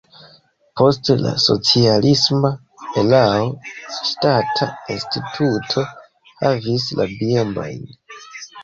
Post la socialisma erao ŝtata instituto havis la bienojn.